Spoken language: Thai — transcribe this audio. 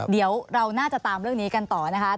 เดี๋ยวเราน่าจะตามเรื่องนี้กันต่อนะคะ